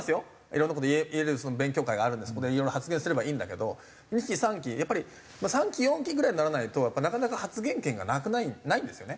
いろんな事言える勉強会があるのでそこでいろいろ発言すればいいんだけど２期３期やっぱり３期４期ぐらいにならないとなかなか発言権がないんですよね。